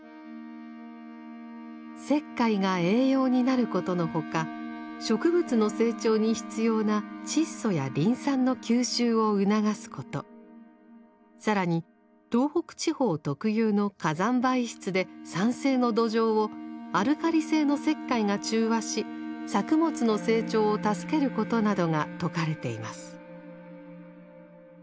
石灰が栄養になることの他植物の成長に必要な窒素やリン酸の吸収を促すこと更に東北地方特有の火山灰質で酸性の土壌をアルカリ性の石灰が中和し作物の成長を助けることなどが説かれています。